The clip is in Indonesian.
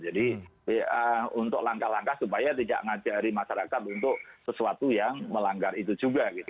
jadi untuk langkah langkah supaya tidak mengajari masyarakat untuk sesuatu yang melanggar itu juga gitu